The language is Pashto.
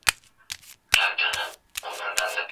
غلی غلی را روان تر منځ د ژرګو